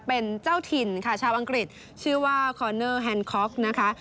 เป็นเจ้าถิ่นค่ะชาวอังกฤษชื่อว่าคอนเนอร์แฮนคอกนะคะ